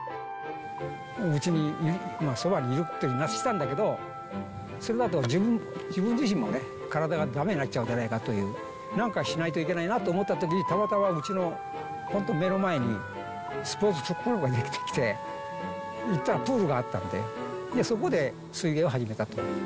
うちにいる、そばにいるってなってたんだけど、それだと自分自身もね、体がだめになっちゃうんじゃないかっていう、なんかしないといけないなと思ったときに、たまたま、うちの本当、目の前に、スポーツクラブが出来て、行ったらプールがあったんで、そこで水泳を始めたと。